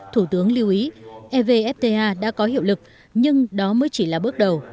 thủ tướng lưu ý evfta đã có hiệu lực nhưng đó mới chỉ là bước đầu